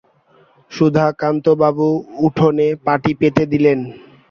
সুধাকান্তবাবু উঠোনে পাটি পেতে দিলেন।